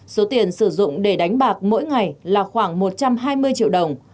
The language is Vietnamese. số tiền sử dụng để đánh bạc mỗi ngày là khoảng một trăm hai mươi triệu đồng